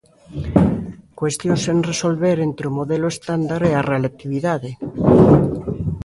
Cuestións sen resolver entre o modelo estándar e a relatividade.